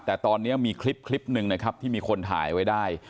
แต่ตอนนี้มีคลิปหนึ่งนะครับที่มีคนถ่ายไว้ได้